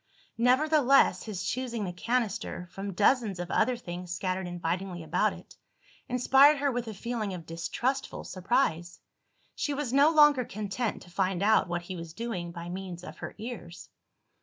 Nevertheless, his choosing the canister, from dozens of other things scattered invitingly about it, inspired her with a feeling of distrustful surprise. She was no longer content to find out what he was doing by means of her ears.